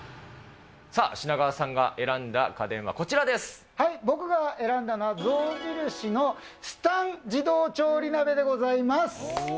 さあ、品川さんが選んだ家電僕が選んだのは、象印のスタン自動調理鍋でございます。